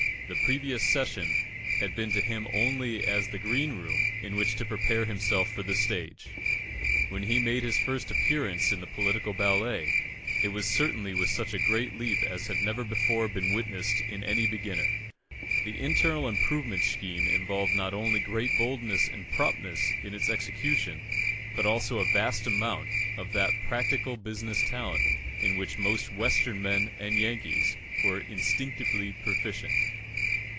The previous session had been to him only as the green room in which to prepare himself for the stage. When he made this his first appearance in the political ballet, it was certainly with such a leap as had never before been witnessed in any beginner. The internal improvement scheme involved not only great boldness and promptness in its execution, but also a vast amount of that practical business talent in which most "Western men" and Yankees are instinctively proficient.